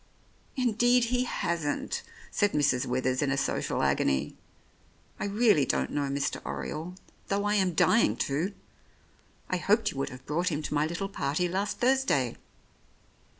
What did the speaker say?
"Indeed he hasn't," said Mrs. Withers in a social agony. "I really don't know Mr. Oriole, though I am dying to. I hoped you would have brought him to my little party last Thursday."